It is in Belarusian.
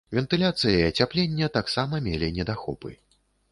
Вентыляцыя і ацяпленне таксама мелі недахопы.